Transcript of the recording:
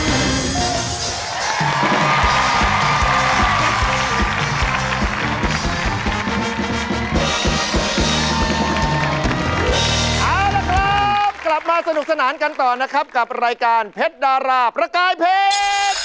เอาละครับกลับมาสนุกสนานกันต่อนะครับกับรายการเพชรดาราประกายเพชร